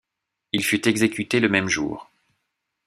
Il fut exécuté le même jour.